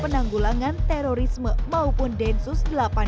penanggulangan terorisme maupun densus delapan puluh delapan